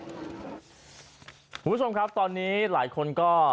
คุณผู้ชมครับตอนนี้หลายคนก็